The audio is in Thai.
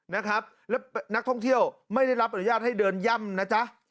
และนักท่องเที่ยวไม่ได้รับอนุญาตให้เดินย่ำ